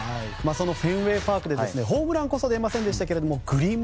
そのフェンウェイ・パークでホームランこそ出ませんでしたがグリーン